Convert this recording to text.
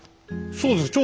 そうです。